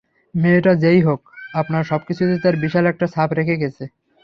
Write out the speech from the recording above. মেয়েটা যেই হোক, আপনার সবকিছুতে তার বিশাল একটা ছাপ রেখে গেছে!